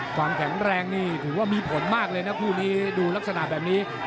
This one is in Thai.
ความแข็งแรงนี่ถือว่ามีผลมากเลยนะคู่นี้ดูลักษณะแบบนี้